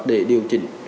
để điều chỉnh